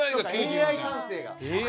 Ａｉ感性が。